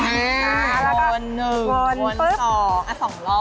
อ่าวนหนึ่งวนสองสองรอ